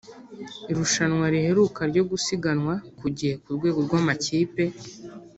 Irushanwa riheruka ryo gusiganwa ku gihe ku rwego rw’amakipe